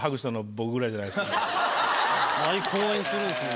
毎公演するんですもんね。